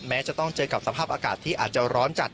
แม้จะต้องเจอกับสภาพอากาศที่อาจจะร้อนจัด